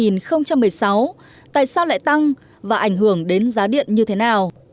năm hai nghìn một mươi sáu tại sao lại tăng và ảnh hưởng đến giá điện như thế nào